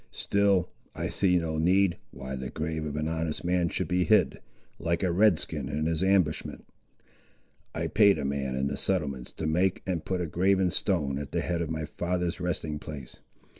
Still I see no need, why the grave of an honest man should be hid, like a Red skin in his ambushment. I paid a man in the settlements to make and put a graven stone at the head of my father's resting place.